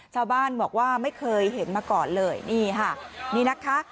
ชาวบ้านบอกว่าไม่เคยเห็นมาก่อนเลยนี่ค่ะนี่นะคะ